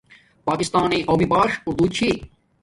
پاکستانݵ قومی باݽ ارودو چھی